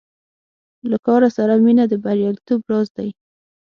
له کار سره مینه د بریالیتوب راز دی.